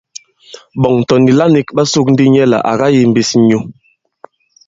Ɓɔ̀ŋ tɔ̀ nìla nīk ɓa sōk ndī nyɛ lā à kayīmbīs nyu.